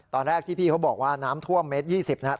ตอนแรกที่พี่เขาบอกว่าน้ำท่วมเมตร๒๐นะครับ